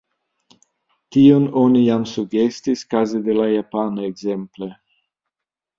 Tion oni jam sugestis kaze de la japana, ekzemple.